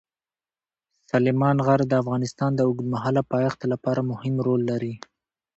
سلیمان غر د افغانستان د اوږدمهاله پایښت لپاره مهم رول لري.